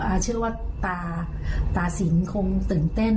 เชื่อว่าตาตาสินคงตื่นเต้น